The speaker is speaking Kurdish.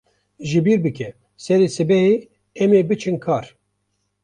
Ji bîr bike, serê sibehê em ê biçin kar.